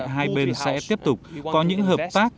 hai bên sẽ tiếp tục có những hợp tác